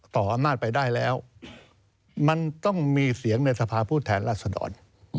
ต่ออำนาจไปได้แล้วมันต้องมีเสียงในสภาพผู้แทนรัศดร